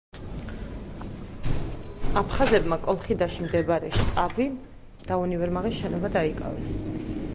აფხაზებმა კოლხიდაში მდებარე შტაბი და უნივერმაღის შენობა დაიკავეს.